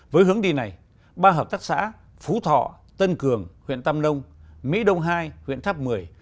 với hướng đi này ba hợp tác xã phú thọ tân cường huyện tam nông mỹ đông hai huyện tháp một mươi